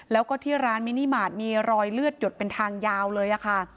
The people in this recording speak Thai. แล้วก็ที่ร้านมินิมาตรมีรอยเลือดหยดเป็นทางยาวเลยค่ะ